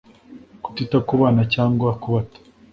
kutita ku bana cyangwa kubata